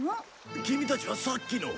キミたちはさっきの。